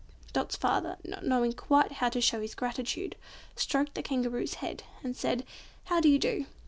Dot's father, not knowing quite how to show his gratitude, stroked the Kangaroo's head, and said, "How do you do?"